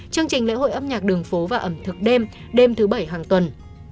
chương trình lễ hội âm nhạc đường phố và ẩm thực đêm đêm thứ bảy hàng tuần